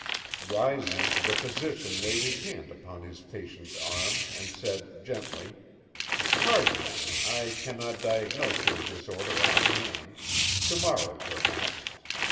Rising, the physician laid his hand upon his patient's arm and said, gently: "Pardon me. I cannot diagnose your disorder off hand—to morrow, perhaps.